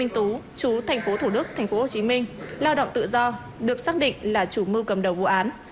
tú chú thành phố thủ đức thành phố hồ chí minh lao động tự do được xác định là chủ mưu cầm đầu vụ án